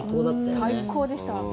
最高でした。